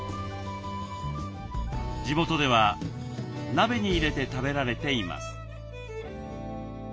地元では鍋に入れて食べられています。